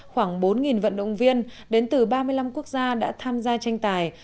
khoảng bốn vận động viên đến từ ba mươi năm quốc gia đã tham gia tranh tài